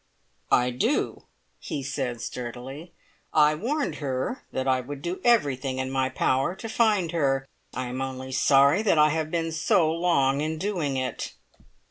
"I do," he said sturdily. "I warned her that I would do everything in my power to find her. I am only sorry that I have been so long in doing it."